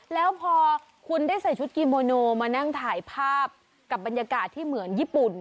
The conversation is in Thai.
แล้วพอคุณได้ใส่ชุดกิโมโนมานั่งถ่ายภาพกับบรรยากาศที่เหมือนญี่ปุ่น